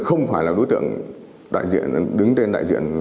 không phải là đối tượng đứng tên đại diện